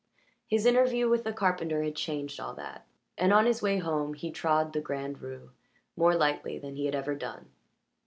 His interview with the carpenter had changed all that, and on his way home he trod the Grand Rue more lightly than he had ever done.